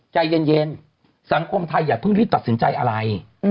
ใจเย็นสังคมไทยอย่าเพิ่งรีบตัดสินใจอะไร